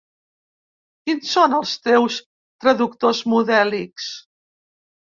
Quins són els teus traductors modèlics?